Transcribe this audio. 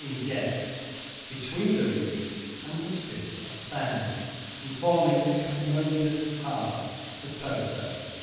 in depth between the reef and the spit of sand, and forming a commodious harbour, the Pozo.